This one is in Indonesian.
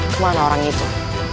kemana orang itu